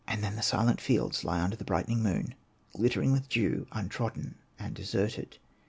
Then the silent fields lie under the brightening moon, glittering with dew, untrodden and deserted.